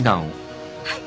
はい。